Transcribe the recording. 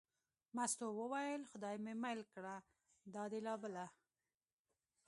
مستو وویل: خدای مې مېل کړه دا دې لا بله.